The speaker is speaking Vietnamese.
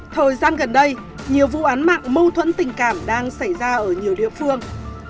thời gian gần đây nhiều vụ án mạng mâu thuẫn tình cảm đang xảy ra ở nhiều địa phương